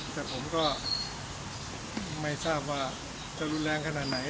แต่ผมก็ไม่ทราบว่าจะรุนแรงขนาดไหน